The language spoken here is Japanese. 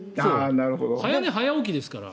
早寝早起きですから。